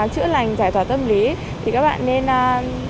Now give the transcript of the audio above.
chữa lành giải tỏa tâm lý thì các bạn nên